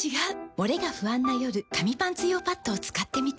モレが不安な夜紙パンツ用パッドを使ってみた。